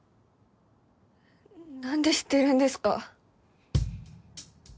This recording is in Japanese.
何で知ってるんですか？